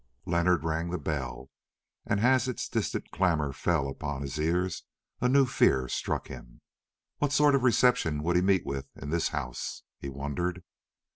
Leonard rang the bell, and as its distant clamour fell upon his ears a new fear struck him. What sort of reception would he meet with in this house? he wondered.